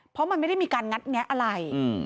เพราะมันไม่ได้มีการงัดแงะอะไร